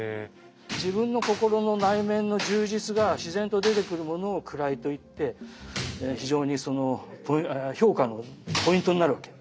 自分の心の内面の充実が自然と出てくるものを位と言って非常にその評価のポイントになるわけ。